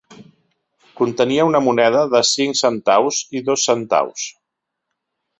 Contenia una moneda de cinc centaus i dos centaus.